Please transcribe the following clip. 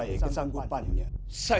bicara sebenarnya sekali